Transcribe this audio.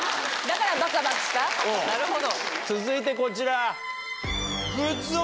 続いてこちら。